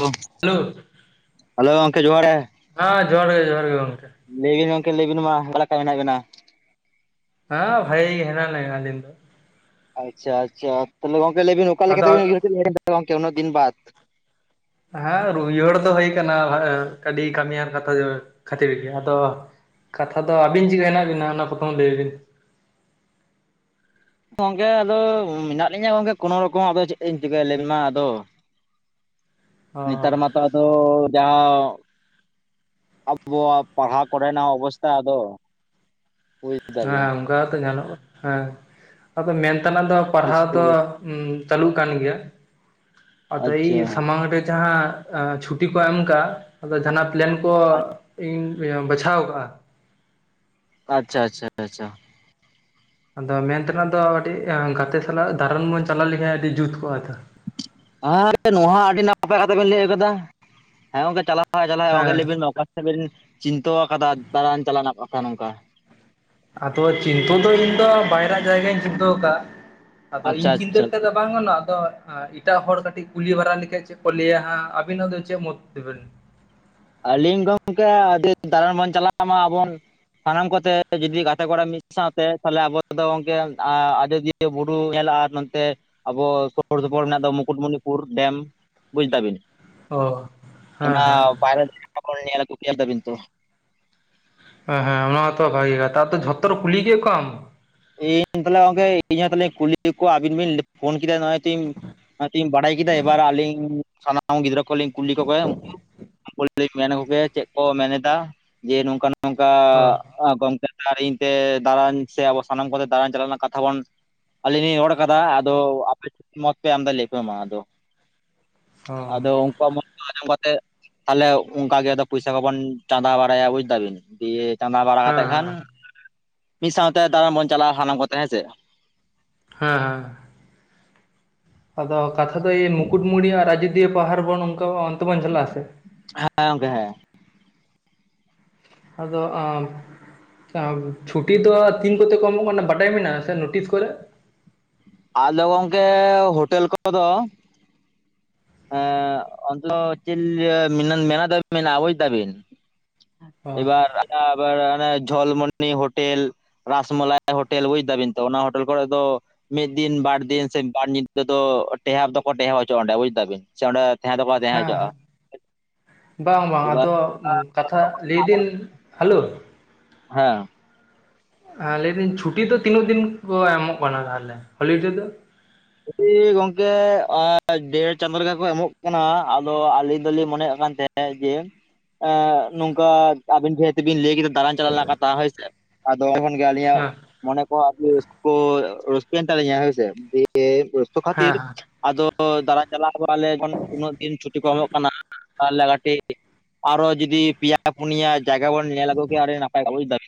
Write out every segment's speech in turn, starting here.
ᱚᱜ hello hello ᱜᱚᱝᱠᱮ ᱡᱚᱦᱟᱨ ᱜᱮ ᱦᱟ ᱡᱚᱦᱟᱨ ᱜᱮ ᱡᱚᱦᱟᱨ ᱜᱮ ᱜᱚᱝᱠᱮ ᱞᱟᱹᱭ ᱵᱤᱱ ᱜᱚᱝᱠᱮ ᱞᱟᱹᱭᱵᱤᱱ ᱢᱟ ᱚᱠᱟ ᱞᱮᱠᱟ ᱢᱮᱱᱟᱜ ᱵᱤᱱᱟ? ᱦᱟ ᱵᱷᱟᱹᱜᱤ ᱜᱮ ᱢᱮᱱᱟᱜ ᱞᱤᱧᱟ ᱟᱞᱤᱧ ᱫᱚ᱾ ᱟᱪᱪᱷᱟ ᱟᱪᱪᱷᱟ ᱛᱟᱦᱞᱮ ᱜᱚᱝᱠᱮ ᱞᱟᱹᱭ ᱵᱤᱱ ᱚᱠᱟ ᱞᱮᱠᱟ ᱟᱫᱚ ᱛᱮᱵᱤᱱ ᱩᱭᱦᱟᱹᱨ ᱠᱮᱫ ᱞᱤᱧᱟ ᱜᱚᱝᱠᱮ ᱩᱱᱟᱹᱜ ᱫᱤᱱ ᱵᱟᱫ? ᱦᱮᱸ ᱨᱩᱭᱦᱟᱹᱨ ᱫᱚ ᱦᱩᱭ ᱠᱟᱱᱟ ᱟᱹᱰᱤ ᱠᱟᱹᱢᱤᱭᱟᱱ ᱠᱟᱛᱷᱟ ᱠᱷᱟᱹᱛᱤᱨ ᱜᱮ ᱟᱫᱚ ᱠᱟᱛᱷᱟ ᱫᱚ ᱟᱹᱵᱤᱱ ᱪᱤᱠᱟ ᱦᱮᱱᱟᱜ ᱵᱤᱱᱟ ᱚᱱᱟ ᱯᱨᱚᱛᱷᱚᱢ ᱞᱟᱹᱭ ᱵᱤᱱ? ᱜᱚᱝᱠᱮ ᱟᱫᱚ ᱢᱮᱱᱟᱜ ᱞᱤᱧᱟᱹ ᱜᱚᱝᱠᱮ ᱠᱳᱱᱳ ᱨᱚᱠᱚᱢ ᱟᱫᱚ ᱪᱮᱫ ᱤᱧ ᱪᱤᱠᱟᱹᱭᱟ ᱢᱟ ᱟᱫᱚ ᱚ ᱱᱮᱛᱟᱨ ᱢᱟᱛᱚ ᱟᱫᱚ ᱡᱟᱣ ᱟᱵᱚᱣᱟᱜ ᱯᱟᱲᱦᱟᱣ ᱠᱚᱨᱮᱱᱟᱜ ᱚᱵᱚᱥᱛᱟ ᱟᱫᱚ ᱵᱩᱡ ᱫᱟᱵᱤᱱ ᱦᱮᱸ ᱚᱱᱠᱟᱛᱚ ᱧᱮᱞᱚᱜ ᱦᱮᱸ ᱟᱫᱚ ᱢᱮᱱ ᱛᱮᱱᱟᱜ ᱫᱚ ᱯᱟᱲᱦᱟᱣ ᱤᱥᱠᱩᱞ ᱫᱚ ᱩᱸ ᱪᱟᱹᱞᱩᱜ ᱠᱟᱱ ᱜᱮᱭᱟ ᱟᱫᱚ ᱤ ᱟᱪᱪᱷᱟ ᱥᱟᱢᱟᱝ ᱨᱮ ᱡᱟᱦᱟᱸ ᱮ ᱪᱷᱩᱴᱤ ᱠᱚ ᱮᱢ ᱠᱟᱜ ᱟᱫᱚ ᱡᱟᱦᱟᱱᱟᱜ ᱯᱞᱮᱱ ᱠᱚ ᱤᱧ ᱵᱟᱪᱷᱟᱣ ᱠᱟᱜᱼᱟ ᱟᱪᱪᱷᱟ ᱟᱪᱪᱷᱟ ᱟᱪᱪᱷᱟ ᱟᱫᱚ ᱢᱮᱱᱛᱮᱱᱟᱜ ᱫᱚ ᱢᱤᱫᱴᱤᱜ ᱜᱟᱛᱮ ᱥᱟᱞᱟᱜ ᱫᱟᱬᱟᱱ ᱵᱚᱱ ᱪᱟᱞᱟᱣ ᱞᱮᱠᱷᱟᱱ ᱟᱹᱰᱤ ᱡᱩᱛ ᱠᱚᱜᱼᱟ ᱛᱚ ᱦᱟ [inaudible] ᱱᱚᱣᱟ ᱦᱚᱸ ᱟᱹᱰᱤ ᱱᱟᱯᱟᱭ ᱠᱟᱛᱷᱟ ᱵᱮᱱ ᱞᱟᱹᱭ ᱟᱠᱟᱫᱟ ᱦᱮᱸ ᱜᱚᱝᱠᱮ ᱪᱟᱞᱟᱣ ᱠᱷᱟᱡ ᱪᱟᱞᱟᱣ ᱦᱩᱭᱩᱜᱼᱟ ᱦᱮᱸ ᱞᱟᱹᱭᱵᱤᱱ ᱚᱠᱟ ᱥᱮᱵᱟᱞᱮ ᱪᱤᱱᱛᱟᱹᱣ ᱠᱟᱫᱟ ᱫᱟᱬᱟᱱ ᱪᱟᱞᱟᱣ ᱨᱮᱱᱟᱜ ᱠᱟᱛᱷᱟ ᱱᱚᱝᱠᱟ ᱟᱫᱚ ᱪᱤᱱᱛᱟᱹ ᱫᱚ ᱤᱧ ᱫᱚ ᱵᱟᱭᱨᱟ ᱡᱟᱭᱜᱟᱧ ᱪᱤᱱᱛᱟᱹᱣ ᱟᱠᱟᱜ ᱟᱫᱚ ᱟᱪᱪᱷᱟ ᱤᱧ ᱪᱤᱱᱛᱟᱹ ᱟᱪᱪᱷᱟ ᱞᱮᱠᱟ ᱫᱚ ᱵᱟᱝ ᱜᱟᱱᱚᱜᱟ ᱟᱫᱚ ᱟ ᱮᱴᱟᱜ ᱦᱚᱲ ᱠᱟᱹᱴᱤᱡ ᱠᱩᱞᱤ ᱵᱟᱲᱟ ᱞᱮᱠᱷᱟᱡ ᱪᱮᱫ ᱠᱚ ᱞᱟᱹᱭᱟ ᱦᱟᱜ ᱟᱵᱤᱱᱟᱜ ᱫᱚ ᱪᱮᱫ ᱢᱚᱛ ᱛᱮᱵᱤᱱ? ᱟᱹᱞᱤᱧ ᱫᱚ ᱜᱚᱝᱠᱮ ᱟᱫᱤ ᱫᱟᱬᱟᱱ ᱵᱚᱱ ᱪᱟᱞᱟᱣ ᱢᱟ ᱟᱵᱚᱱ ᱥᱟᱱᱟᱢ ᱠᱚᱛᱮ ᱡᱩᱫᱤ ᱜᱟᱛᱮ ᱠᱚᱲᱟ ᱢᱤᱫ ᱥᱟᱶᱛᱮ ᱛᱟᱦᱚᱞᱮ ᱟᱵᱚ ᱫᱚ ᱜᱚᱝᱠᱮ ᱟᱡᱚᱫᱤᱭᱟᱹ ᱤᱭᱟᱹ ᱵᱩᱨᱩ ᱧᱮᱞᱚᱜᱼᱟ ᱱᱚᱛᱮ ᱟᱵᱚ ᱥᱩᱨ ᱥᱩᱯᱩᱨ ᱢᱮᱱᱟᱜ ᱫᱚ ᱢᱩᱠᱩᱴᱢᱩᱱᱤᱯᱩᱨ ᱰᱮᱢ ᱵᱩᱡ ᱫᱟᱵᱤᱱ ᱚ ᱦᱮᱸ ᱚᱱᱟ ᱦᱮᱸ [unintelligible] ᱫᱟᱵᱤᱱ ᱛᱚ ᱦᱮᱸ ᱦᱮᱸ ᱚᱱᱟ ᱦᱚᱸᱛᱚ ᱵᱷᱟᱜᱤ ᱠᱟᱛᱷᱟ ᱡᱷᱚᱛᱚ ᱦᱚᱲ ᱠᱩᱞᱤ ᱠᱮᱫ ᱠᱚᱣᱟᱢ? ᱤᱧ ᱛᱟᱦᱚᱞᱮ ᱜᱚᱝᱠᱮ ᱤᱧ ᱛᱟᱦᱞᱮ ᱠᱩᱞᱤ ᱠᱚᱣᱟ ᱟᱵᱤᱱ ᱵᱤᱱ ᱯᱷᱳᱱ ᱠᱮᱫᱟ ᱱᱚᱜᱼᱚᱭ ᱛᱤᱧ ᱦᱚᱜᱚᱭ ᱛᱤᱧ ᱵᱟᱲᱟᱭ ᱠᱮᱫᱟ ᱮᱵᱟᱨ ᱟᱹᱞᱤᱧ ᱥᱟᱱᱟᱢ ᱜᱤᱫᱽᱨᱟᱹ ᱠᱚᱞᱤᱧ ᱠᱩᱞᱤ ᱠᱚ ᱠᱚᱣᱟ ᱩᱱᱠᱩ [inaudible] ᱢᱮᱱᱟ ᱟᱠᱚ ᱜᱮ ᱪᱮᱫ ᱠᱚ ᱢᱮᱱ ᱮᱫᱟ ᱡᱮ ᱱᱚᱝᱠᱟᱱ ᱱᱚᱝ ᱱᱚᱝᱠᱟ ᱚ ᱜᱚᱝᱠᱮ ᱛᱮ ᱟᱨ ᱤᱧᱛᱮ ᱫᱟᱬᱟᱱ ᱥᱮ ᱟᱵᱚ ᱥᱟᱱᱟᱢ ᱠᱚᱛᱮ ᱫᱟᱬᱟᱱ ᱪᱟᱞᱟᱜ ᱨᱮᱱᱟᱜ ᱠᱟᱛᱷᱟ ᱵᱚᱱ ᱟᱞᱤᱧ ᱞᱤᱧ ᱨᱚᱲ ᱟᱠᱟᱫᱟ ᱟᱫᱚ ᱟᱯᱮ ᱪᱮᱫ ᱢᱚᱛᱚ ᱯᱮ ᱮᱢ ᱮᱫᱟ ᱞᱟᱹᱭ ᱯᱮ ᱢᱟ ᱟᱫᱚ ᱚ ᱦᱮᱸ ᱟᱫᱚ ᱩᱱᱠᱩᱣᱟᱜ ᱢᱚᱸᱛ ᱠᱚ ᱟᱸᱡᱚᱢ ᱠᱟᱛᱮᱫ ᱛᱟᱦᱚᱞᱮ ᱚᱱᱠᱟ ᱜᱮ ᱯᱚᱭᱥᱟ ᱠᱚᱵᱚᱱ ᱪᱟᱸᱫᱟ ᱵᱟᱲᱟᱭᱟ ᱵᱩᱡ ᱫᱟᱵᱤᱱ ᱫᱤᱭᱮ ᱪᱟᱸᱫᱟ ᱵᱟᱲᱟ ᱠᱟᱛᱮ ᱦᱮᱸ ᱠᱷᱟᱱ ᱢᱤᱫ ᱥᱟᱶᱛᱮ ᱫᱟᱬᱟᱱ ᱵᱚᱱ ᱪᱟᱞᱟᱜᱼᱟ ᱥᱟᱱᱟᱢ ᱠᱚᱛᱮ ᱦᱮᱸᱥᱮ ᱦᱮᱸ ᱟᱫᱚ ᱠᱟᱛᱷᱟ ᱫᱚ ᱤᱭᱟᱹ ᱢᱩᱠᱩᱴᱢᱩᱱᱤ ᱟᱨ ᱟᱡᱚᱫᱤᱭᱟᱹ ᱯᱟᱦᱟᱲ ᱚᱱᱠᱟ ᱵᱚᱱ ᱚᱱᱛᱮ ᱵᱚᱱ ᱪᱟᱞᱟᱜᱼᱟ ᱥᱮ ᱦᱮᱸ ᱜᱚᱝᱠᱮ ᱦᱮᱸ ᱟᱫᱚ ᱟᱢ ᱪᱷᱩᱴᱤ ᱫᱚ ᱛᱤᱱ ᱠᱚᱛᱮ ᱠᱚ ᱮᱢᱚᱜ ᱠᱟᱱᱟ ᱵᱟᱰᱟᱭ ᱢᱮᱱᱟᱜᱼᱟ ᱥᱮ ᱱᱳᱴᱤᱥ ᱠᱚᱨᱮ? ᱟᱞᱚ ᱜᱚᱝᱠᱮ ᱦᱳᱴᱮᱞ ᱠᱚᱨᱮ ᱫᱚ ᱮᱜ ᱟᱫᱚ ᱪᱮᱫ ᱞᱤᱧ ᱞᱟᱹᱭᱟ ᱢᱮᱱᱟ ᱢᱮᱞᱟ ᱫᱷᱟᱹᱵᱤᱡ ᱢᱮᱱᱟᱜ-ᱟ ᱵᱩᱡ ᱫᱟᱵᱤᱱ ᱚ ᱮᱵᱟᱨ [unintelligible] ᱡᱚᱞᱢᱩᱱᱤ ᱦᱳᱴᱮᱞ, ᱨᱟᱥ ᱢᱟᱞᱟᱭ ᱦᱳᱴᱮᱞ ᱵᱩᱡᱽ ᱫᱟᱵᱤᱱ ᱛᱚ ᱚᱱᱟ ᱦᱳᱴᱮᱞ ᱠᱚᱨᱮ ᱫᱚ ᱢᱤᱫ ᱫᱤᱱ ᱵᱟᱨ ᱫᱤᱱ ᱥᱮ ᱵᱟᱨ ᱧᱤᱫᱟᱹ ᱫᱚ ᱴᱮᱦᱮ ᱫᱚᱠᱚ ᱴᱮᱦᱮ ᱦᱚᱪᱚᱜ-ᱟ ᱚᱸᱰᱮ ᱵᱩᱡ ᱫᱟ ᱵᱤᱱ ᱥᱮ ᱚᱸᱰᱮ ᱛᱟᱦᱮᱸ ᱫᱚᱠᱚ ᱛᱟᱦᱮᱸ ᱦᱮᱸ ᱦᱚᱪᱚᱜᱼᱟ ᱦᱮᱸ ᱵᱟᱝ ᱵᱟᱝ ᱮᱵᱟᱨ ᱟᱫᱚ ᱠᱟᱛᱷᱟ ᱞᱟᱹᱭ ᱫᱤᱱ ᱦᱟᱞᱳ [inaudible] ᱦᱮᱸ ᱞᱟᱹᱭᱫᱟᱹᱧ ᱪᱷᱩᱴᱤ ᱫᱚ ᱛᱤᱱᱟᱹᱜ ᱫᱤᱱ ᱠᱚ ᱮᱢᱚᱜ ᱠᱟᱱᱟ ᱛᱟᱦᱚᱞᱮ ᱦᱚᱞᱤᱰᱮ ᱫᱚ ᱪᱷᱩᱴᱤ ᱜᱚᱝᱠᱮ ᱮᱜ ᱰᱮᱲ ᱪᱟᱸᱫᱳ ᱞᱮᱠᱟ ᱠᱚ ᱮᱢᱚᱜ ᱠᱟᱱᱟ ᱟᱫᱚ ᱟᱹᱞᱤᱧ ᱫᱚᱞᱤᱧ ᱢᱚᱱᱮᱭᱮᱫ ᱠᱟᱱ ᱛᱮ ᱡᱮ ᱱᱚᱝᱠᱟ ᱟᱵᱤᱱ ᱡᱮᱦᱮᱛᱩᱵᱤᱱ ᱞᱟᱹᱭ ᱠᱮᱫᱟ ᱫᱟᱬᱟᱱ ᱪᱟᱞᱟᱣ ᱨᱮᱱᱟᱜ ᱠᱟᱛᱷᱟ ᱦᱳᱭ ᱥᱮ ᱟᱫᱚ ᱛᱚᱠᱷᱚᱱ ᱜᱮ ᱟᱹᱞᱤᱧᱟᱜ ᱦᱮᱸ ᱢᱚᱱᱮ ᱠᱚ ᱟᱹᱰᱤ ᱨᱟᱹᱥᱠᱟᱹ ᱨᱟᱹᱥᱠᱟᱹ ᱮᱱ ᱛᱟᱞᱤᱧᱟ ᱦᱳᱭ ᱥᱮ ᱫᱤᱭᱮ ᱨᱟᱹᱥᱠᱟᱹ ᱠᱷᱟᱹᱛᱤᱨ ᱦᱮᱸ ᱦᱮᱸ ᱟᱫᱚ ᱫᱟᱬᱟ ᱪᱟᱞᱟᱜ ᱟᱞᱮ ᱛᱤᱱᱟᱹᱜ ᱫᱤᱱ ᱪᱷᱩᱴᱤ ᱠᱚ ᱮᱢᱚᱜ ᱠᱟᱱᱟ ᱛᱟᱦᱚᱞᱮ ᱠᱟᱹᱴᱤᱡ ᱟᱨᱚ ᱡᱩᱫᱤ ᱯᱮᱭᱟ ᱯᱩᱱᱭᱟ ᱡᱟᱭᱜᱟ ᱵᱚᱱ ᱧᱮᱞ ᱟᱜᱩ ᱠᱮᱭᱟ ᱟᱹᱰᱤ ᱱᱟᱯᱟᱭ ᱠᱚᱜ-ᱟ᱾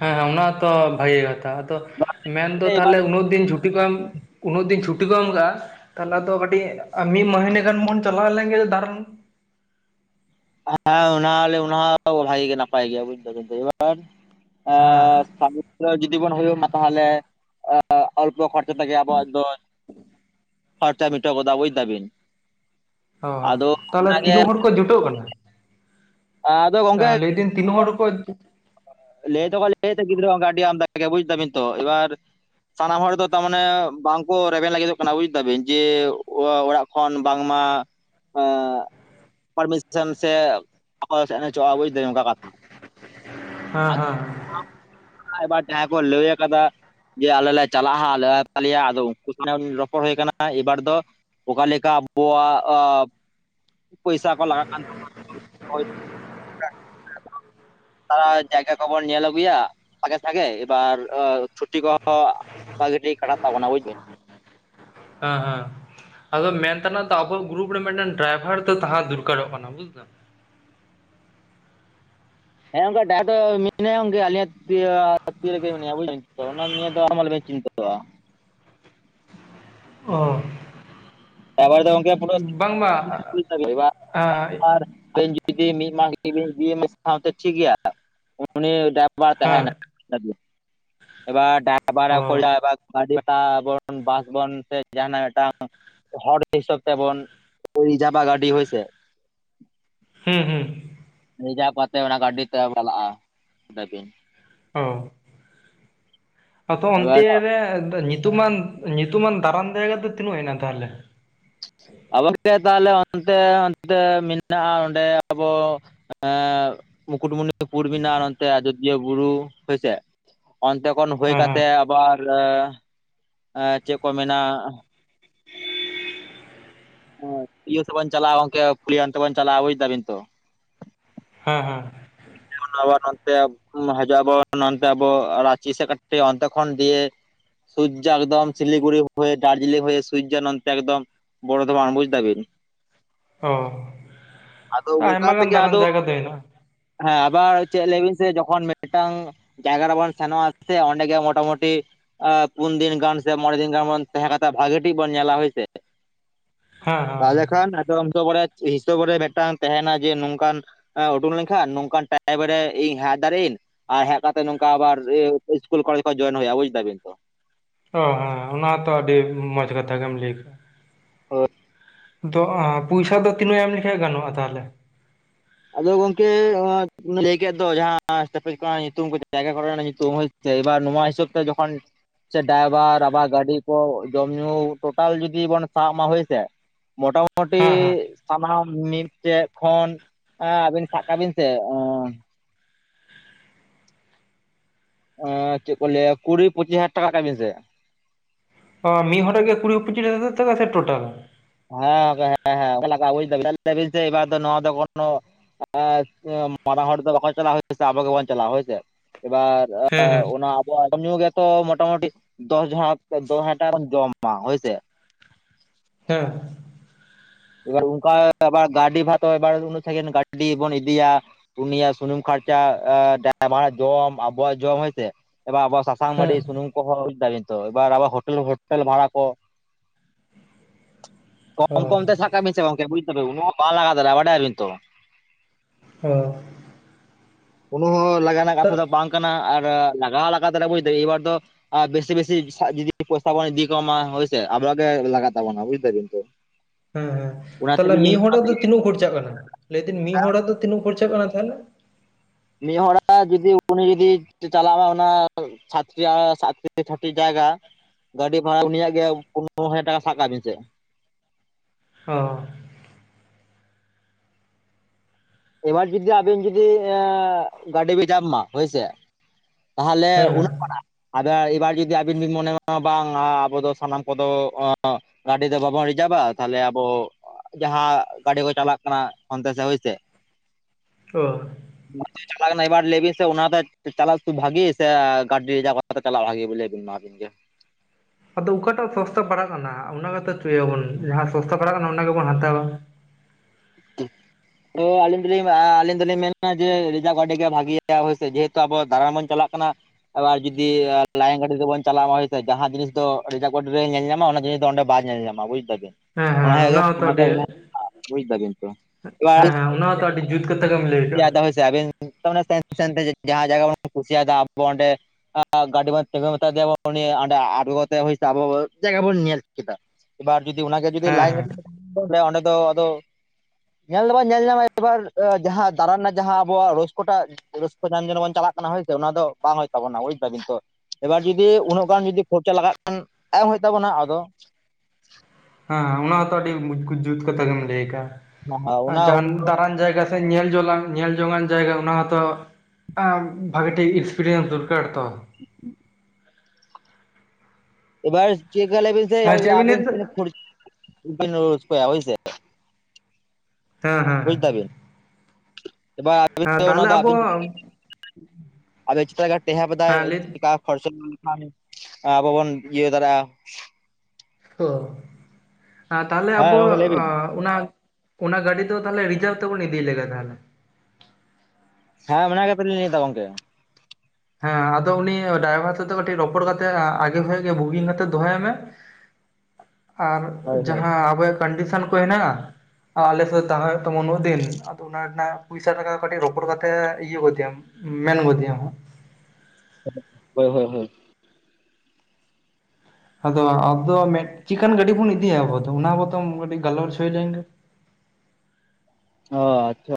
ᱦᱮᱸ ᱦᱮᱸ ᱚᱱᱟ ᱛᱚ ᱵᱷᱟᱜᱤ ᱠᱟᱛᱷᱟ ᱟᱫᱚ ᱢᱮᱱᱫᱚ ᱮᱵᱟᱨ ᱛᱟᱦᱞᱮ ᱩᱱᱟᱹᱜ ᱫᱤᱱ ᱡᱷᱩᱴᱤ -ᱴᱤ ᱠᱚᱢ ᱩᱱᱟᱹᱜ ᱫᱤᱱ ᱪᱷᱩᱴᱤ ᱠᱚ ᱮᱢ ᱟᱠᱟᱜ-ᱟ ᱛᱟᱦᱚᱞᱮ ᱟᱫᱚ ᱠᱟᱹᱴᱤᱡ ᱢᱤᱫ ᱢᱚᱱᱮᱭ ᱜᱟᱱ ᱵᱚᱱ ᱪᱟᱞᱟᱣ ᱞᱮᱱᱜᱮ ᱫᱟᱨᱟᱱ [unintelligible] [inaudible] ‌ᱵᱷᱟᱜᱮ ᱜᱮ ᱱᱟᱯᱟᱭ ᱜᱮᱭᱟ ᱵᱤᱱ ᱱᱟᱯᱟᱭ ᱦᱮᱸ [inaudible] ᱡᱩᱫᱤ ᱵᱚᱱ ᱦᱳᱭᱳᱜ ᱢᱟ ᱛᱟᱦᱚᱞᱮ ᱚᱞᱯᱚ ᱠᱷᱚᱨᱪᱟ ᱟᱵᱚᱣᱟᱜ ᱫᱚ ᱠᱷᱚᱨᱪᱟ ᱢᱮᱴᱟᱹᱣ ᱜᱚᱫᱚᱜ-ᱟ ᱵᱩᱡᱫᱟᱵᱤᱱ, ᱦᱚᱸ ᱦᱚᱸ ᱛᱟᱦᱚᱞᱮ ᱛᱤᱱᱟᱹᱜ ᱦᱚᱲ ᱠᱚ ᱡᱩᱴᱟᱹᱜ ᱠᱟᱱᱟ? ᱟᱫᱚ ᱜᱚᱝᱠᱮ ᱞᱟᱹᱭᱫᱤᱱ ᱛᱤᱱ ᱦᱚᱲ ᱠᱚ ᱞᱟᱹᱭ ᱛᱚᱠᱚ ᱞᱟᱹᱭᱮᱫ ᱛᱮ ᱜᱤᱫᱽᱨᱟᱹ ᱦᱚᱸ ᱚᱱᱠᱟ ᱟᱹᱰᱤ ᱚᱱᱰᱚ ᱜᱮᱭᱟ ᱵᱩᱡᱫᱟ ᱵᱤᱱ ᱛᱚ ᱮᱵᱟᱨ ᱥᱟᱱᱟᱢ ᱦᱚᱲ ᱫᱚ ᱛᱟᱨᱢᱟᱱᱮ ᱵᱟᱝ ᱠᱚ ᱨᱮᱵᱮᱱ ᱞᱟᱹᱜᱤᱫᱚᱜ ᱠᱟᱱᱟ ᱵᱩᱡ ᱫᱟᱵᱤᱱ ᱡᱮ ᱚᱲᱟᱜ ᱠᱷᱚᱱ ᱵᱟᱝᱢᱟ ᱟᱺ [inaudible] [inaudible] [inaudible] ᱦᱮᱸ ᱟᱫᱚ ᱦᱮᱸ ᱦᱮ ᱮᱵᱟᱨ ᱡᱟᱦᱟᱭ ᱠᱚ ᱞᱟᱹᱭ ᱟᱠᱟᱫᱟ ᱡᱮ ᱟᱞᱮ ᱞᱮ ᱪᱟᱞᱟᱜ-ᱟ ᱦᱟᱸᱜ ᱛᱟᱞᱮᱭᱟ ᱟᱫᱚ ᱩᱱᱠᱩ ᱥᱚᱸᱜᱮ ᱨᱚᱯᱚᱲ ᱦᱩᱭ ᱟᱠᱟᱱᱟ ᱮᱵᱟᱨ ᱫᱚ ᱚᱠᱟᱞᱮᱠᱟ ᱟᱵᱚᱣᱟᱜ ᱯᱚᱭᱥᱟ ᱠᱚ ᱞᱟᱜᱟᱜ ᱠᱟᱱ ᱛᱟᱵᱚᱱᱟ? ᱚᱱᱟ ᱡᱟᱭᱜᱟ ᱠᱷᱚᱵᱚᱱ ᱧᱮᱞ ᱟᱹᱜᱩᱭᱟ ᱵᱷᱟᱜᱮ ᱵᱷᱟᱜᱮ ᱮᱵᱟᱨ ᱪᱷᱩᱴᱤ ᱠᱚᱦᱚᱸ ᱵᱷᱟᱜᱮ ᱴᱷᱤᱠ ᱠᱷᱟᱨᱟᱯ ᱛᱟᱵᱚᱱᱟ ᱵᱩᱡ ᱫᱟᱵᱤᱱ ᱦᱮᱸ ᱦᱮᱸ ᱟᱫᱚ ᱢᱮᱱᱛᱮᱱᱟᱜ ᱫᱚ ᱟᱵᱚᱣᱟᱜ ᱜᱨᱩᱯ ᱨᱮ ᱢᱤᱫᱴᱟᱝ ᱰᱨᱟᱭᱵᱷᱟᱨ ᱫᱚ ᱛᱟᱦᱮᱸ ᱫᱚᱨᱠᱟᱨᱚᱜ ᱠᱟᱱᱟ ᱵᱩᱡ ᱫᱟᱢ ᱦᱮᱸ ᱜᱚᱝᱠᱮ ᱰᱟᱭᱵᱷᱟᱨ ᱫᱚ ᱢᱮᱱᱟᱭᱟ ᱜᱚᱝᱠᱮ ᱟᱹᱞᱤᱧᱟᱜ ᱛᱤ ᱨᱮᱜᱤ ᱢᱮᱱᱟᱭᱟ ᱵᱩᱡᱫᱟ ᱵᱤᱱ ᱟᱞᱚ ᱵᱤᱱ ᱪᱤᱱ [unintelligible] ᱚᱦᱺ [unintelligible] [unintelligible] ᱵᱟᱝᱢᱟ [unintelligible] ᱡᱩᱫᱤ ᱢᱤᱫ ᱢᱟᱜ ᱤᱫᱤᱭᱟ [unintelligible] ᱴᱷᱤᱠ ᱜᱮᱭᱟ ᱱᱩᱭ ᱰᱟᱭᱵᱷᱟᱨ ᱮ ᱛᱟᱦᱮᱱᱟ᱾ ᱦᱮᱸ ᱮᱵᱟᱨ ᱰᱚᱭᱵᱟᱨ ᱚ [unintelligible] [unintelligible] [unintelligible] ᱵᱟᱥ ᱵᱚᱱ [unintelligible] ᱦᱚᱲ ᱦᱤᱥᱟᱹᱵ ᱛᱮᱵᱚᱱ ᱨᱤᱡᱟᱯᱟ ᱜᱟᱹᱰᱤ ᱦᱚᱭᱥᱮ ᱦᱩᱸ ᱦᱩᱸ ᱨᱤᱡᱟᱯ ᱠᱟᱛᱮᱫ ᱚᱱᱟ ᱜᱟᱹᱰᱤ ᱛᱮᱵᱚ ᱪᱟᱞᱟᱜ-ᱟ ᱯᱮ ᱫᱤᱱ ᱚ- ᱟᱛᱚ ᱮᱵᱟᱨ ᱚᱱᱛᱮ ᱨᱮ ᱧᱩᱛᱩᱢᱟᱱ ᱧᱤᱛᱩᱢᱟᱱ ᱫᱟᱨᱟᱱ ᱡᱟᱭᱜᱟ ᱫᱚ ᱛᱤᱱᱟᱹᱜ ᱦᱩᱭᱱᱟ ᱛᱟᱦᱚᱞᱮ? ᱟᱵᱚ ᱥᱮ ᱛᱟᱦᱚᱞᱮ ᱚᱱᱛᱮ ᱚᱱᱛᱮ ᱢᱮᱱᱟᱜᱼᱟ ᱚᱸᱰᱮ ᱟᱵᱚ, ᱟᱸ ᱢᱩᱠᱩᱴᱢᱩᱱᱤ ᱯᱩᱲᱵᱤᱱᱟ ᱱᱚᱛᱮ ᱟᱡᱚᱫᱤᱭᱟᱹ ᱵᱩᱨᱩ ᱥᱮ ᱪᱮᱜ ᱚᱱᱛᱮ ᱠᱷᱚᱱ ᱦᱩᱭ ᱦᱮᱸ ᱦᱮᱸ ᱠᱟᱛᱮᱜ ᱵᱟᱨᱟᱹ ᱮᱸ ᱪᱮᱜ ᱠᱚ ᱢᱮᱱᱟ [inaudible] ᱦᱚᱭ, ᱤᱭᱟᱹ ᱛᱮᱵᱚᱱ ᱪᱟᱞᱟᱣ ᱜᱚᱝᱠᱮ ᱯᱷᱩᱞᱤᱟᱱᱛᱮ ᱵᱚᱱ ᱪᱟᱞᱟᱜᱼᱟ ᱵᱩᱡ ᱫᱟᱵᱤᱱ ᱛᱚ, ᱦᱮᱸ ᱦᱮᱸ᱾ ᱟᱵᱟᱨ ᱱᱚᱛᱮ ᱢᱚᱦᱮᱡᱟᱵᱚᱱ ᱚᱱᱛᱮ ᱟᱵᱚ ᱨᱟᱸᱪᱤ ᱥᱮᱜ ᱠᱟᱹᱴᱤᱜ ᱚᱱᱛᱮ ᱠᱷᱚᱱ ᱫᱤᱭᱮ ᱥᱩᱨᱡᱚ ᱮᱠᱫᱚᱢ ᱥᱤᱞᱤᱜᱩᱲᱤ ᱦᱩᱭ ᱫᱟᱨᱡᱤᱞᱤᱝ ᱦᱩᱭ ᱥᱩᱨᱡᱚ ᱱᱚᱱᱛᱮ ᱮᱫᱚᱢ, ᱵᱚᱨᱰᱷᱚᱢᱚᱱ ᱵᱩᱡ ᱫᱟᱵᱤᱱ? ᱟᱫᱚ ᱦᱚ ᱟᱭᱢᱟ ᱚᱱᱠᱟ ᱜᱟᱱ ᱛᱮᱜᱮ ᱫᱟᱬᱟᱱ ᱟᱫᱚ ᱡᱟᱭᱜᱟ ᱫᱚ ᱦᱤᱱᱟᱜᱼᱟ᱾ ᱦᱮᱸ ᱟᱵᱟᱨ ᱪᱮᱜ ᱞᱟᱹᱭ ᱵᱤᱱ ᱥᱮ ᱡᱚᱠᱷᱚᱱ ᱢᱤᱜᱴᱟᱝ ᱡᱟᱭᱜᱟ ᱨᱮᱵᱚᱱ ᱥᱮᱱᱚᱜ ᱟᱥᱮ ᱚᱸᱰᱮ ᱜᱮ ᱢᱚᱴᱟᱢᱩᱴᱤ ᱟᱸ ᱯᱩᱱ ᱫᱤᱱ ᱜᱟᱱ ᱥᱮ ᱢᱚᱬᱮ ᱫᱤᱱ ᱜᱟᱱ ᱵᱚᱱ ᱛᱟᱦᱮᱸ ᱠᱟᱛᱮᱜ ᱵᱷᱟᱜᱤ ᱴᱷᱤᱠ ᱵᱚᱱ ᱧᱮᱞᱟ ᱦᱟᱭᱥᱮ᱾ ᱦᱮᱸ ᱦᱮᱸ ᱦᱮᱸ᱾ ᱛᱟᱦᱮᱸᱠᱷᱟᱱ ᱟᱫᱚ [unintelligible] ᱵᱟᱨᱭᱟ ᱦᱤᱥᱟᱹᱵ ᱨᱮ ᱢᱤᱫᱴᱟᱝ ᱛᱟᱦᱮᱸᱱᱟ ᱡᱮ ᱱᱚᱝᱠᱟᱱ ᱟᱸ ᱩᱰᱩᱝ ᱞᱮᱱ ᱠᱷᱟᱱ ᱱᱚᱝᱠᱟᱱ ᱴᱟᱭᱤᱢ ᱨᱮ ᱤᱧ ᱦᱮᱡ ᱫᱟᱨᱮᱭ ᱟᱹᱧ ᱟᱨ ᱦᱮᱜ ᱠᱟᱛᱮᱜ ᱱᱚᱝᱠᱟ ᱟᱵᱟᱨ ᱤᱥᱠᱩᱞ ᱠᱚᱞᱮᱡᱽ ᱠᱷᱚᱭ ᱡᱚᱭᱮᱱ ᱦᱩᱭᱩᱜᱼᱟ᱾ᱵᱩᱡ ᱫᱟ ᱵᱤᱱ ᱛᱚ? ᱚ ᱦᱮᱸ ᱚᱱᱟᱛᱚ ᱟᱹᱰᱤ ᱢᱚᱸᱡᱽ ᱠᱟᱛᱷᱟ ᱜᱮᱢ ᱞᱟᱹᱭ ᱠᱟᱜᱼᱟ᱾ ᱦᱚᱭ, ᱫᱚ ᱟᱸ ᱯᱚᱭᱥᱟ ᱫᱚ ᱛᱤᱱᱟᱹᱜ ᱮᱢ ᱞᱮᱠᱷᱟᱭ ᱜᱟᱱᱚᱜᱼᱟ ᱛᱟᱦᱚᱞᱮ? ᱟᱫᱚ ᱜᱚᱝᱠᱮ ᱚᱱᱮ ᱞᱟᱹᱭ ᱠᱮᱫ ᱫᱚ ᱡᱟᱦᱟᱸ ᱤᱥᱴᱟᱯᱮᱡ ᱠᱚᱨᱮᱱᱟ ᱧᱩᱛᱩᱢ ᱠᱚ ᱡᱟᱭᱜᱟ ᱠᱚᱨᱮᱱᱟᱜ ᱧᱩᱛᱩᱢ ᱥᱮ ᱮᱵᱟᱨ ᱱᱚᱣᱟ ᱦᱤᱥᱟᱹᱵ ᱛᱮ ᱡᱚᱠᱷᱚᱱ ᱥᱮ ᱰᱟᱭᱵᱷᱟᱨ ᱟᱵᱟᱨ ᱜᱟᱹᱰᱤ ᱠᱚ ᱡᱚᱢ ᱧᱩ ᱴᱳᱴᱟᱞ ᱡᱩᱫᱤ ᱵᱚᱱ ᱥᱟᱵ ᱢᱟ ᱦᱳᱭᱥᱮ ᱢᱚᱴᱟ ᱢᱚᱴᱤ ᱦᱮᱸ ᱦᱮᱸ ᱥᱟᱱᱟᱢ ᱢᱤᱫᱴᱮᱱ ᱠᱷᱚᱱ ᱟᱹᱵᱤᱱ ᱥᱟᱵ ᱠᱟᱜ ᱵᱤᱱ ᱥᱮ ᱟᱸ ᱟᱸ ᱪᱮᱫ ᱠᱚ ᱞᱟᱹᱭᱟ ᱠᱩᱲᱤ ᱯᱚᱸᱪᱤᱥ ᱦᱟᱡᱟᱨ ᱴᱟᱠᱟ ᱠᱟᱜ ᱵᱤᱱ ᱥᱮ, ᱦᱚᱸ ᱢᱤᱜᱹ ᱦᱚᱲ ᱨᱮᱜᱮ ᱜᱮ ᱠᱩᱲᱤ ᱯᱚᱸᱪᱤᱥ ᱦᱟᱡᱟᱨ ᱥᱮ ᱴᱳᱴᱟᱞ? ᱦᱮᱸ ᱦᱮᱸ ᱜᱚᱝᱠᱮ ᱦᱮᱸ ᱦᱮᱸ ᱚᱠᱟᱞᱮᱠᱟ ᱵᱩᱡ ᱫᱟ ᱵᱤᱱ [unintelligible] ᱮᱵᱟᱨ ᱫᱚ ᱱᱚᱣᱟ ᱫᱚ ᱠᱚᱱᱚ ᱮᱸ ᱥᱮ ᱢᱟᱨᱟᱝᱦᱚᱲ ᱫᱚ ᱵᱟᱠᱚ ᱪᱟᱞᱟᱣᱟ ᱦᱚᱭ ᱥᱮ ᱟᱵᱚ ᱜᱮᱵᱚᱱ ᱪᱟᱞᱟᱣᱟ ᱦᱚᱭ ᱥᱮ ᱮᱵᱟᱨ ᱦᱮᱸ ᱦᱮᱸ [unintelligible] ᱚᱱᱟᱯ ᱡᱚᱢ ᱧᱩ ᱜᱮᱛᱚ ᱢᱚᱴᱟᱢᱩᱴᱤ ᱫᱚᱥ ᱡᱚᱱᱦᱟᱸ ᱫᱚᱥ ᱦᱟᱡᱟᱨᱮᱢ ᱡᱚᱢᱟ ᱦᱳᱭᱥᱮ ᱦᱮᱸ᱾ ᱮᱵᱟᱨ ᱚᱱᱠᱟ ᱟᱵᱟᱨ ᱜᱟᱹᱰᱤ ᱵᱷᱟᱲᱟ ᱛᱚ ᱮᱭ ᱵᱟᱨ ᱩᱱᱟᱹᱜ ᱥᱟᱺᱤᱧᱜ ᱜᱟᱹᱰᱤ ᱵᱚᱱ ᱤᱫᱤᱭᱟ ᱩᱩᱱᱤᱭᱟᱜ ᱥᱩᱱᱩᱢ ᱠᱷᱟᱨᱪᱟ ᱮᱸ ᱰᱟᱭᱵᱷᱟᱨᱟᱜ ᱡᱚᱢ ᱟᱵᱚᱣᱟᱜ ᱡᱚᱢ ᱦᱚᱭᱥᱮ ᱮᱵᱟᱨ ᱟᱵᱚᱣᱟᱜ ᱥᱟ ᱥᱟᱝ ᱦᱮᱸ ᱢᱟᱹᱰᱤ ᱥᱩᱱᱩᱢ ᱠᱚᱦᱚᱸ ᱵᱩᱡᱫᱟᱵᱤᱱ ᱛᱚ ᱮᱵᱟᱨ ᱟᱵᱟᱨ ᱦᱳᱴᱮᱞ ᱦᱳᱴᱮᱞ ᱵᱷᱟᱲᱟ ᱠᱚ ᱚ ᱠᱚᱢ ᱠᱚᱢᱛᱮ ᱥᱟ ᱠᱟᱜ ᱵᱤᱱ ᱥᱮ ᱜᱚᱝᱠᱮ ᱵᱩᱡ ᱫᱟᱵᱮᱱ ᱩᱱᱟᱹᱜ ᱵᱟᱝ ᱞᱟᱜᱟᱣ ᱫᱟᱲᱮᱭᱟᱜᱼᱟ ᱵᱟᱰᱟᱭᱟᱵᱤᱱ ᱛᱚ ᱦᱮᱸ᱾ ᱠᱳᱱᱳ ᱞᱟᱜᱟ ᱞᱟᱜᱟ ᱛᱟ ᱛᱮ ᱫᱚ ᱵᱟᱝ ᱠᱟᱱᱟ ᱟᱨ ᱞᱟᱜᱟ ᱞᱟᱜᱟ ᱫᱟᱲᱮᱼᱟ ᱵᱩᱡ ᱫᱟ ᱮᱭᱵᱟᱨ ᱫᱚ ᱟᱨ ᱵᱮᱥᱤ ᱵᱮᱥᱤ ᱥᱟᱜ ᱡᱩᱫᱤ ᱯᱚᱭᱥᱟ ᱵᱟᱭ ᱤᱫᱤ ᱠᱚᱢᱟ ᱦᱚᱭᱥᱮ ᱟᱵᱚᱣᱟᱜ ᱜᱮ ᱞᱟᱜᱟᱜ ᱛᱟᱵᱚᱱᱟ ᱵᱩᱡ ᱫᱟ ᱵᱤᱱ ᱛᱚ? ᱦᱮᱸ ᱦᱮᱸ, ᱚᱱᱟ ᱛᱟᱦᱚᱞᱮ ᱛᱮᱜᱮᱞᱤᱧ ᱢᱤᱫ ᱚᱱᱟ ᱦᱚᱲᱟᱜ ᱛᱮᱜᱮ ᱫᱚ ᱛᱤᱱᱟᱹᱜ ᱠᱷᱚᱨᱪᱟᱜ ᱠᱟᱱᱟ ᱞᱟᱹᱭ ᱫᱟᱞᱤᱧ ᱢᱤᱫ ᱦᱚᱲᱚᱲᱟᱜ ᱫᱚ ᱛᱤᱱᱟᱹᱜ ᱠᱷᱚᱨᱪᱟᱜ ᱠᱟᱱᱟ ᱛᱟᱦᱚᱞᱮ? ᱢᱤᱜ ᱦᱚᱲᱟᱜ ᱡᱩᱫᱤ ᱩᱱᱤ ᱡᱩᱫᱤ ᱪᱟᱼ ᱪᱟᱞᱟᱣᱟ ᱚᱱᱟ ᱥᱟᱛᱴᱤ ᱟ ᱥᱟᱛᱴᱤ ᱪᱷᱟᱴᱤ ᱡᱟᱭᱜᱟ, ᱜᱟᱹᱰᱤ ᱵᱷᱟᱲᱟ ᱩᱱᱤᱭᱟᱜ ᱜᱮ ᱯᱚ-ᱯᱳᱱ ᱦᱟᱡᱟᱨ ᱴᱟᱠᱟ ᱥᱟᱵ ᱠᱟᱜ ᱵᱤᱱ ᱥᱮ ᱦᱟ ᱾ ᱮᱵᱟᱨ ᱡᱩᱫᱤ ᱟᱵᱤᱱ ᱡᱩᱫᱤ ᱮᱸ-ᱮᱸᱜ ᱜᱟᱹᱰᱤ ᱵᱤᱱ ᱧᱟᱢᱟ ᱢᱟ ᱦᱳᱭ ᱥᱮ ᱛᱟᱦᱞᱮ ᱩᱱᱟᱹᱜ ᱯᱟᱲᱟᱜ ᱾ ᱟᱫᱚ ᱮᱵᱟᱨ ᱡᱩᱫᱤ ᱟᱵᱤᱱ ᱵᱤᱱ ᱢᱚᱱᱮᱭᱟ ᱵᱟᱝ ᱟᱵᱚ ᱫᱚ ᱥᱟᱱᱟᱢ ᱠᱚᱫᱚ ᱚᱸ ᱜᱟᱰᱤ ᱫᱚ ᱵᱟᱵᱚᱱ ᱨᱤᱡᱟᱵᱟ ᱛᱟᱦᱞᱮ ᱟᱵᱚ ᱡᱟᱦᱟᱸ ᱜᱟᱰᱤ ᱠᱚ ᱪᱟᱞᱟᱜ ᱠᱟᱱᱟ ᱚᱱᱛᱮ ᱥᱮ ᱦᱳᱭ ᱥᱮ ᱳᱭ ᱾ ᱚᱱᱟ ᱪᱟᱞᱟᱜ ᱠᱟᱱᱟ ᱮᱵᱟᱨ ᱞᱟᱹᱭᱵᱤᱱ ᱥᱮ ᱚᱱᱟᱫᱚ ᱪᱟᱞᱟᱜ ᱵᱷᱟᱜᱮᱹᱥᱮ ᱜᱟᱰᱤ ᱨᱤᱡᱟᱵ ᱠᱟᱛᱮ ᱪᱟᱞᱟᱜ ᱵᱷᱟᱜᱮᱹ ᱵᱚᱞᱮ ᱞᱟᱹᱭᱵᱤᱱ ᱟᱵᱤᱱ ᱜᱮ? ᱟᱫᱚ ᱚᱠᱟᱴᱟᱜ ᱥᱚᱥᱛᱟ ᱯᱟᱲᱟᱜ ᱠᱟᱱᱟ ᱚᱱᱟᱜᱮᱛᱚ ᱪᱭᱟᱵᱚᱱ ᱡᱟᱦᱟᱸ ᱥᱚᱥᱛᱟ ᱯᱟᱲᱟᱜ ᱟ ᱚᱱᱟ ᱜᱮᱵᱚᱱ ᱦᱟᱛᱟᱣᱟ ᱾ ᱷᱩᱸᱦ ᱾ ᱛᱚ ᱟᱞᱤᱧ ᱫᱚᱞᱤᱧ ᱟ-ᱟᱞᱤᱧ ᱫᱚᱞᱤᱧ ᱢᱮᱱᱫ ᱛᱟᱦᱮᱸᱡᱮ ᱨᱤᱡᱟᱵᱷ ᱜᱟᱰᱤ ᱜᱮ ᱵᱷᱟᱜᱮᱹᱭᱟ ᱟᱵᱚ ᱥᱮ ᱡᱮᱹᱦᱮᱹᱛᱩ ᱟᱵᱚ ᱫᱟᱬᱟᱱ ᱵᱚᱱ ᱪᱟᱞᱟᱜ ᱠᱟᱱᱟ ᱾ ᱮᱵᱟᱨ ᱡᱩᱫᱤ ᱞᱟᱭᱤᱱ ᱜᱟᱹᱰᱤ ᱛᱮᱵᱚᱱ ᱪᱟᱞᱟᱜᱼᱟ ᱦᱚᱭᱛᱳ ᱡᱟᱦᱟᱸ ᱡᱤᱱᱤᱥ ᱫᱚ ᱨᱤᱡᱟᱨᱵᱽ ᱜᱟᱹᱰᱤ ᱨᱮ ᱧᱮᱞ ᱧᱟᱢᱚ ᱟ ᱚᱱᱟ ᱡᱤᱱᱤᱥ ᱫᱚ ᱚᱸᱰᱮ ᱵᱟᱭ ᱧᱮᱞ ᱧᱟᱢᱚ ᱟ ᱾ ᱵᱩᱡᱽ ᱫᱟᱵᱤᱱ ᱦᱮᱸ ᱚᱱᱟ ᱦᱮᱸ ᱤᱭᱟᱹ ᱦᱚᱸᱛᱚ ᱱᱟᱥᱮ ᱟᱹᱰᱤ ᱚᱱᱟ ᱚ ᱵᱩᱡᱽ ᱫᱟᱵᱤᱱ ᱾ ᱦᱮᱸ ᱦᱮᱸ, ᱚᱱᱟ ᱦᱚᱸᱛᱚ ᱟᱰᱤ ᱡᱩᱛ ᱠᱟᱛᱷᱟ ᱜᱮᱢ ᱞᱟᱹᱭ ᱟᱠᱟᱜᱼᱟ ᱠᱩᱥᱤᱭᱟᱫᱟ ᱾ ᱦᱳᱭ ᱟᱵᱤᱱ ᱥᱮᱱ ᱥᱮᱱᱛᱮ ᱡᱟᱦᱟᱸ ᱡᱟᱭᱜᱟ ᱵᱚᱱ ᱠᱩᱥᱤᱭᱟᱫᱟ ᱟᱵᱚ ᱚᱸᱰᱮ ᱜᱟᱰᱤ ᱵᱚᱱ ᱛᱤᱸᱜᱩ ᱢᱮᱛᱟ ᱫᱮᱭᱟᱵᱚ ᱩᱱᱤ ᱚᱸᱰᱮ ᱟᱬᱜᱚ ᱠᱟᱛᱮ. ᱦᱳᱭᱥᱮ ᱟᱵᱚ ᱡᱟᱭᱜᱟ ᱵᱚᱱ ᱧᱮᱞ ᱠᱮᱫᱟ ᱾ ᱮᱵᱟᱨ ᱡᱩᱫᱤ ᱚᱱᱟᱜᱮ ᱡᱩᱫᱤ ᱦᱮᱸ ᱞᱟᱭᱤᱱ ᱦᱮᱸ ᱜᱟᱰᱤ ᱚᱸᱰᱮ ᱫᱚ ᱟᱫᱚ ᱧᱮᱞ ᱫᱚᱵᱚᱱ ᱧᱮᱞ ᱧᱟᱢᱟ ᱮᱵᱟᱨ ᱡᱟᱦᱟᱸ ᱫᱟᱬᱟᱱ ᱨᱮᱱᱟᱜ ᱡᱟᱦᱟᱸ ᱟᱵᱚᱣᱟᱜ ᱨᱳᱥ ᱠᱚᱴᱟ ᱨᱟᱹᱥᱠᱟᱹ ᱡᱟᱦᱟᱱ ᱡᱚᱱᱚ ᱵᱚᱱ ᱪᱟᱞᱟᱜ ᱠᱟᱱᱟ ᱦᱳᱭᱥᱮ ᱚᱱᱟ ᱫᱚ ᱵᱟᱝ ᱦᱳᱭᱳᱜ ᱛᱟᱵᱚᱱᱟ ᱵᱩᱡᱽᱫᱟᱵᱤᱱ ᱛᱚ ᱾ ᱪᱟ-ᱜ, ᱮᱵᱟᱨ ᱡᱩᱫᱤ ᱩᱱᱟᱹᱜ ᱜᱟᱱ ᱡᱩᱫᱤ ᱠᱷᱚᱨᱪᱟ ᱞᱟᱜᱟᱜ ᱠᱷᱟᱱ ᱮᱢ ᱦᱳᱭᱳᱜ ᱛᱟᱵᱚᱱᱟ ᱟᱫᱚ ᱾ ᱦᱮᱸ ᱚᱱᱟᱛᱚ ᱟᱹᱰᱤ ᱵᱩᱡᱽᱠᱩ ᱡᱩᱛ ᱠᱟᱛᱷᱟ ᱜᱮᱢ ᱞᱟᱹᱭ ᱠᱟ ᱟᱨ ᱚᱱᱟ ᱡᱟᱦᱟᱱ ᱫᱟᱬᱟᱱ ᱡᱟᱭᱜᱟ ᱧᱮᱞ ᱡᱚᱞᱟᱝ ᱧᱮᱞ ᱡᱚᱝᱟᱱ ᱡᱟᱭᱜᱟ ᱚᱱᱟ ᱦᱚᱸᱛᱚ ᱟᱸ ᱵᱷᱟᱜᱮᱹ ᱴᱷᱤᱠ ᱤᱥᱯᱤᱨᱤᱭᱮᱱᱥ ᱫᱚᱨᱠᱟᱨ ᱛᱚ ᱾ ᱮᱵᱟᱨ ᱪᱮᱜᱠᱟ ᱞᱟᱹᱭ ᱵᱮᱱ ᱥᱮ ᱦᱮᱸ ᱪᱮᱫ ᱵᱤᱱ ᱞᱟᱹᱭ ᱟᱵᱤᱱ ᱮᱫᱟ? [inaudible] ᱦᱳᱭ ᱥᱮ ᱾ ᱦᱮᱸ ᱦᱮᱸ ᱵᱩᱡᱽ ᱫᱟᱵᱤᱱ, ᱮᱵᱟᱨ ᱟᱵᱤᱱ ᱦᱮᱸ ᱫᱚ ᱚᱱᱟ ᱛᱟᱦᱚᱞᱮ ᱫᱚ ᱟᱵᱚ ᱟᱵᱤᱱ ᱴᱩᱸᱡ ᱟᱫᱚ [inaudible] ᱾ [inaudible] ᱦᱮᱸ ᱞᱟᱹᱭ ᱟᱵᱳ ᱵᱚᱱ ᱤᱭᱟᱹ ᱫᱟᱲᱮᱭᱟᱜ-ᱟ ᱾ ᱚᱻ, ᱛᱟᱦᱞᱮ ᱟᱵᱚ ᱦᱮᱸ ᱜᱚᱝᱠᱮ ᱞᱟᱹᱭ ᱚ ᱵᱤᱱ [inaudible] ᱚᱱᱟᱠ ᱚᱱᱟ ᱜᱟᱹᱰᱤ ᱫᱚ ᱛᱟᱞᱦᱮ ᱨᱤᱡᱟᱵᱷ ᱛᱮᱵᱚᱱ ᱤᱫᱤ ᱞᱮᱫᱟ ᱛᱟᱦᱞᱮ᱾ ᱦᱮᱸ ᱚᱱᱟ ᱜᱮᱛᱚ ᱞᱤᱧ ᱞᱟᱹᱭᱫᱟ ᱜᱚᱝᱠᱮ ᱾ ᱦᱮᱸ ᱟᱫᱚ ᱩᱱᱤ ᱰᱟᱭᱵᱷᱟᱨ ᱥᱟᱛᱮ ᱠᱟᱹᱴᱤᱡ ᱨᱚᱯᱚᱲ ᱠᱟᱛᱮ ᱟᱜᱮ ᱠᱷᱚᱡ ᱵᱩᱜᱤᱝ ᱠᱟᱛᱮᱜ ᱫᱚᱦᱚᱭ ᱢᱮ, ᱟᱨ ᱦᱳᱭ ᱦᱳᱭ ᱡᱟᱦᱟᱸ ᱟᱵᱚᱭᱟᱜ ᱠᱚᱱᱰᱤᱥᱚᱱ ᱠᱚ ᱦᱮᱱᱟᱜᱼᱟ? ᱟᱞᱮ ᱥᱮᱫ ᱛᱟᱦᱮᱸ ᱦᱳᱭᱳᱜ ᱛᱟᱢᱟ ᱩᱱᱟᱹᱜ ᱫᱤᱱ ᱟᱫᱚ ᱚᱱᱟ ᱨᱮᱱᱟᱜ ᱯᱚᱭᱥᱟ ᱴᱟᱠᱟ ᱠᱟᱹᱴᱤᱡ ᱨᱚᱯᱚᱲ ᱠᱟᱛᱮ ᱤᱭᱟᱹ [unintelligible] ᱾ ᱢᱮᱱ ᱜᱚᱫᱮᱭᱟᱢ ᱦᱟᱸᱜ ᱾ ᱯᱷᱩᱲᱩᱠ, ᱦᱳᱭ -ᱦᱳᱭ- ᱦᱳᱭ ᱾ ᱟᱫᱚ ᱟᱫᱚ ᱢᱮᱫ ᱪᱤᱠᱟᱱ ᱜᱟᱹᱰᱤ ᱵᱚᱱ ᱤᱫᱤᱭᱟ ᱟᱵᱚ ᱚᱱᱟ ᱵᱚᱛᱚᱢ ᱠᱟᱹᱴᱤᱡ ᱜᱟᱞᱚᱪ ᱦᱩᱭ ᱞᱮᱱ ᱜᱮ ᱾ ᱚ ᱟᱪᱷᱟᱜ ᱾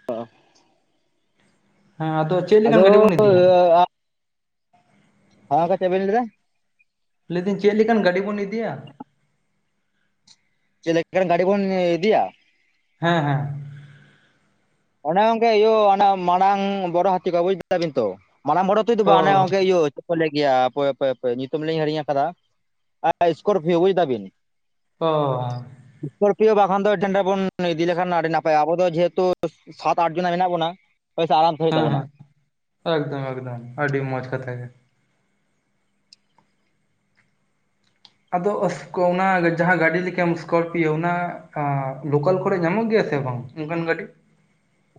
ᱦᱮᱸ, ᱟᱫᱚ ᱪᱮᱜ ᱞᱮᱠᱟᱱ ᱜᱟᱹᱰᱤ ᱵᱚᱱ ᱤᱫᱤᱭᱟ? ᱟᱱᱟ ᱫᱚ ᱪᱮᱜ ᱞᱟᱹᱭᱫᱟ? ᱞᱟᱹᱭ ᱫᱟᱹᱧ ᱪᱮᱜ ᱞᱮᱠᱟᱱ ᱜᱟᱹᱰᱤ ᱵᱚᱱ ᱤᱫᱤᱭᱟ? ᱪᱮᱜ ᱞᱮᱠᱟᱱ ᱜᱟᱹᱰᱤ ᱵᱚᱱ ᱩᱸᱦ ᱤ-ᱤᱫᱤᱭᱟ? ᱦᱮᱸ ᱦᱮᱸ᱾ ᱚᱱᱮ ᱜᱚᱝᱜᱮ ᱤᱭᱟᱹ ᱚᱱᱟ ᱢᱟᱲᱟᱝ ᱵᱚᱨᱚ ᱦᱟᱹᱛᱤ ᱠᱚ ᱵᱩᱡᱽ ᱫᱟ ᱵᱤᱱ ᱛᱚ, ᱢᱟᱲᱟᱝ ᱵᱚᱨᱚᱛ ᱱᱤᱛᱳᱜ ᱫᱚ ᱚ ᱵᱟᱝ ᱚᱱᱮ ᱜᱚᱝᱠᱮ ᱤᱭᱟᱹ ᱪᱮᱫ ᱠᱚ ᱞᱮᱭ ᱜᱮᱭᱟ ᱦᱟᱯᱳᱭ ᱦᱟᱯᱮ ᱦᱟᱯᱮ ᱧᱩᱛᱩᱢ ᱞᱤᱧ ᱦᱤᱲᱤᱧ ᱠᱟᱫᱟ [unintelligible] ᱥᱠᱚᱨᱯᱤᱭᱳ ᱵᱩᱡ ᱫᱟᱵᱤᱱ᱾ ᱚᱻ ᱥᱠᱚᱨᱯᱤᱭᱚ ᱵᱟᱠᱷᱟᱱ ᱫᱚ [unintelligible] ᱵᱚᱱ ᱤᱫᱤ ᱞᱮᱠᱷᱟᱱ ᱟᱹᱰᱤ ᱱᱟᱯᱟᱭᱟ, ᱟᱵᱚ ᱫᱚ ᱡᱮᱦᱮᱛᱩ ᱥᱟᱛ ᱟᱴ ᱡᱚᱱᱟ ᱢᱮᱱᱟᱜ ᱵᱚᱱᱟ ᱦᱳᱭ ᱥᱮ ᱟᱨᱟᱢ ᱥᱮ ᱦᱩᱭᱩᱜ ᱦᱮᱸ ᱛᱟᱵᱚᱱᱟ ᱦᱮᱸ ᱮᱠᱫᱚᱢ ᱮᱠᱫᱚᱢ ᱟᱹᱰᱤ ᱢᱚᱸᱡᱽ ᱠᱟᱛᱷᱟ ᱜᱮ᱾ ᱟᱫᱚ ᱚᱱᱟ ᱡᱟᱦᱟᱸ ᱜᱟᱹᱰᱤ ᱞᱮᱠᱟᱱ ᱥᱠᱚᱨᱯᱤᱭᱳ ᱚᱱᱟ ᱞᱳᱠᱟᱞ ᱠᱚᱨᱮ ᱧᱟᱢᱚᱜ ᱜᱮᱭᱟ ᱥᱮ ᱵᱟᱝ? ᱱᱚᱝᱠᱟᱱ ᱜᱟᱹᱰᱤ?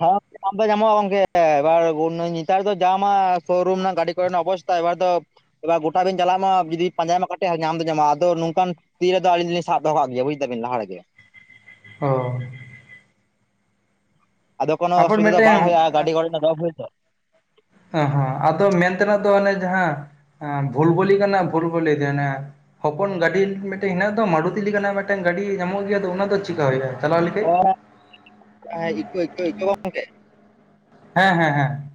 ᱦᱮᱸ [unintelligible] ᱧᱟᱢ ᱫᱚ ᱧᱟᱢᱚᱜᱼᱟ ᱜᱚᱝᱠᱮ ᱮᱵᱟᱨ ᱱᱮᱛᱟᱨ ᱫᱚ ᱡᱟᱢᱟ ᱥᱳᱨᱩᱢ ᱨᱮᱱᱟᱜ ᱜᱟᱹᱰᱤ ᱠᱚᱨᱮᱱᱟᱜ ᱚᱵᱚᱥ ᱮᱵᱟᱨ ᱫᱚ ᱮᱵᱟᱨ ᱜᱚᱴᱟ ᱵᱮᱱ ᱪᱟᱞᱟᱜ ᱢᱟ ᱡᱩᱫᱤ ᱯᱟᱸᱡᱟᱭᱟᱢ ᱠᱟᱹᱴᱤᱡ ᱧᱟᱢ ᱫᱚ ᱧᱟᱢᱚᱜᱟ ᱟᱫᱚ ᱱᱚᱝᱠᱟᱱ ᱛᱤ ᱨᱮᱫᱚ ᱟᱹᱞᱤ ᱫᱚᱞᱤᱧ ᱥᱟᱵ ᱫᱚᱦᱚ ᱠᱟᱜ ᱜᱮᱭᱟ ᱵᱩᱡ ᱫᱟᱵᱮᱱ ᱞᱟᱦᱟ ᱨᱮᱜᱮ᱾ ᱚ᱾ ᱟᱫᱚ ᱠᱚᱱᱚ ᱟᱵᱟᱨ ᱚᱥᱩᱵᱤᱫᱟ ᱵᱟᱝ ᱢᱤᱫᱴᱮᱱ ᱦᱩᱭᱩᱜᱼᱟ ᱜᱟᱹᱰᱤ ᱜᱷᱚᱲᱟ [unintelligible] ᱮᱦᱚᱸ ᱟᱫᱚ ᱢᱮᱱ ᱛᱮᱱᱟᱜ ᱫᱚ ᱚᱱᱮ ᱡᱟᱦᱟᱸ ᱮᱸᱵᱷᱩᱞ ᱵᱚᱞᱤ ᱠᱟᱱᱟ ᱵᱷᱩᱞ ᱵᱚᱞᱤ ᱡᱟᱦᱟᱸ ᱚᱱᱟ ᱦᱚᱯᱚᱱ ᱜᱟᱹᱰᱤ ᱢᱤᱫᱴᱮᱱ ᱦᱮᱸᱱᱟᱜ ᱫᱚ ᱢᱟᱨᱩᱛᱤ ᱞᱮᱠᱟᱱᱟᱜ ᱢᱤᱫᱴᱮᱱ ᱜᱟᱹᱰᱤ ᱧᱟᱢᱚᱜ ᱜᱮᱭᱟ ᱫᱚ ᱚᱱᱟ ᱫᱚ ᱪᱮᱠᱟ ᱦᱩᱭᱩᱜᱼᱟ? ᱪᱟᱞᱟᱣ ᱞᱮᱠᱷᱟᱡ [inaudible] ᱦᱮᱸ ᱤᱠᱳ ᱤᱠᱳ ᱵᱟᱝ ᱜᱚᱢᱠᱮ? ᱦᱮᱸ ᱦᱮᱸ ᱦᱮᱸ᱾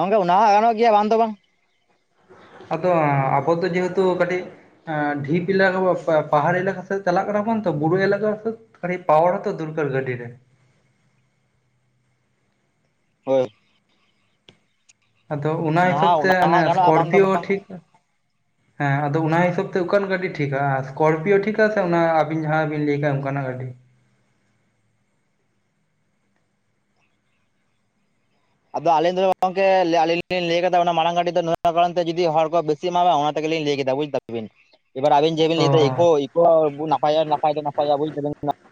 ᱜᱚᱝᱠᱮ ᱚᱱᱟ ᱦᱚᱸ ᱜᱟᱱᱚᱜ ᱜᱮᱭᱟ ᱵᱟᱝ ᱫᱚ ᱵᱟᱝ᱾ ᱟᱫᱚ ᱟᱵᱚ ᱫᱚ ᱡᱮᱦᱮᱛᱩ ᱠᱟᱹᱴᱤᱡ ᱟᱸᱰᱷᱤᱯ ᱮᱞᱟᱠᱟ [inaudible] ᱯᱟᱦᱟᱲ ᱮᱞᱟᱠᱟ ᱥᱮᱫ ᱪᱟᱞᱟᱜ ᱠᱟᱱᱟᱵᱚᱱ ᱛᱚ ᱵᱩᱨᱩ ᱮᱞᱟᱠᱟ ᱥᱮᱫ ᱠᱟᱹᱴᱤᱡ ᱯᱟᱣᱟᱨ ᱦᱚᱸᱛᱚ ᱫᱩᱨᱠᱚᱞ ᱜᱟᱹᱰᱤ ᱨᱮ᱾ ᱦᱳᱭ᱾ ᱟᱫᱚ ᱚᱱᱟ ᱦᱤᱥᱟᱹᱵ ᱦᱚᱸ ᱛᱮ ᱚᱱᱟ ᱦᱚᱸ ᱜᱟᱱᱚᱜᱼᱟ ᱵᱟᱝ ᱫᱚ ᱥᱠᱚᱨᱯᱤᱭᱳ ᱜᱮ ᱵᱟᱝ ᱴᱷᱤᱠᱼᱟ᱾ ᱦᱮᱸ ᱟᱫᱚ ᱚᱱᱟ ᱦᱤᱥᱟᱹᱵ ᱛᱮ ᱚᱠᱟᱱ ᱜᱟᱹᱰᱤ ᱴᱷᱤᱠᱟ ᱟᱨ ᱥᱠᱚᱨᱯᱤᱭᱳ ᱴᱷᱤᱠᱟ ᱥᱮ ᱚᱱᱟ ᱟᱵᱤᱱ ᱡᱟᱦᱟᱸ ᱵᱤᱱ ᱞᱟᱹᱭᱠᱟ ᱚᱝᱠᱟᱱᱟᱜ ᱜᱟᱹᱰᱤ? ᱟᱫᱚ ᱟᱹᱞᱤᱧ ᱫᱚ ᱜᱚᱝᱠᱮ ᱟᱹᱞᱤᱧ ᱞᱤᱧ ᱞᱟᱹᱭ ᱠᱟᱫᱟ ᱚᱱᱟ ᱢᱟᱲᱟᱝ ᱜᱟᱹᱰᱤ ᱫᱚ ᱱᱚᱣᱟ ᱠᱟᱨᱚᱱ ᱛᱮ ᱡᱩᱫᱤ ᱦᱚᱲ ᱠᱚ ᱵᱮ [unintelligible] ᱚᱱᱟ ᱛᱮᱜᱮ ᱞᱤᱧ ᱞᱟᱹᱭ ᱠᱮᱫᱟ ᱵᱩᱡ ᱫᱟᱵᱤᱱ, ᱮᱵᱟᱨ ᱟᱵᱤᱱ ᱡᱮ ᱵᱮᱱ ᱚ ᱞᱟᱹᱭ ᱫᱟ ᱤᱠᱳ ᱤᱠᱳ ᱱᱩ ᱱᱟᱯᱟᱭᱚᱜᱼᱟ ᱱᱟᱯᱟᱭ ᱫᱚ ᱱᱟᱯᱟᱭᱟ ᱵᱩᱡᱫᱟᱵᱤᱱ ᱱᱟ